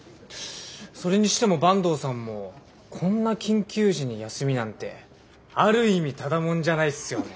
それにしても坂東さんもこんな緊急時に休みなんてある意味ただ者じゃないっすよね。